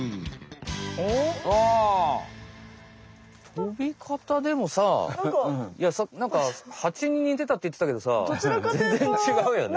飛びかたでもさなんかハチに似てたっていってたけどさ全然違うよね。